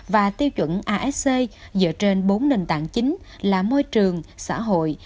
và tiêu chuẩn asc dựa trên bốn nền tảng chính là môi trường xã hội